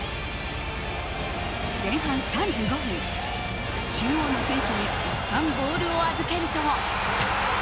前半３５分中央の選手にいったんボールを預けると。